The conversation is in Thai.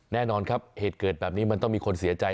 แน่นอนครับเหตุเกิดแบบนี้มันต้องมีคนเสียใจ